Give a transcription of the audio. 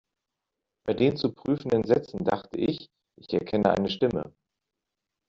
Bei den zu prüfenden Sätzen dachte ich, ich erkenne eine Stimme.